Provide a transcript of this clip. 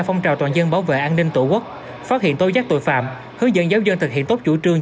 phong trào toàn dân bảo vệ an ninh tổ quốc phát hiện tố giác tội phạm hướng dẫn giáo dân thực hiện tốt chủ trương